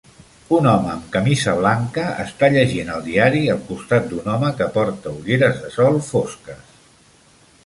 Un home amb camisa blanca està llegint el diari al costat d'un home que porta ulleres de sol fosques.